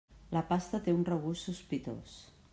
La pasta té un regust sospitós.